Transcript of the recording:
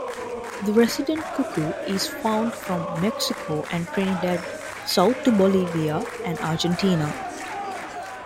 This resident cuckoo is found from Mexico and Trinidad south to Bolivia and Argentina.